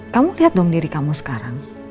kamu lihat dong diri kamu sekarang